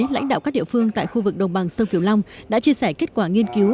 lãnh đạo các địa phương tại khu vực đồng bằng sông kiều long đã chia sẻ kết quả nghiên cứu